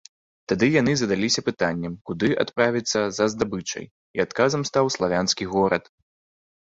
Тады яны задаліся пытаннем, куды адправіцца за здабычай, і адказам стаў славянскі горад.